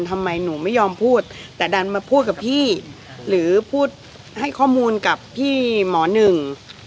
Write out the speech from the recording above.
ทำไมหนูไม่ยอมพูดแต่ดันมาพูดกับพี่หรือพูดให้ข้อมูลกับพี่หมอหนึ่ง